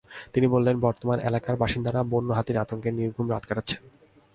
তিনি বলেন, বর্তমানে এলাকার বাসিন্দারা বন্য হাতির আতঙ্কে নির্ঘুম রাত কাটাচ্ছেন।